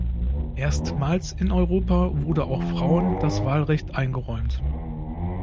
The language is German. Erstmals in Europa wurde auch Frauen das Wahlrecht eingeräumt.